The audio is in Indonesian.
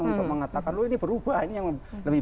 untuk mengatakan loh ini berubah ini yang lebih